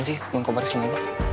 ngapain sih bang gobar kesini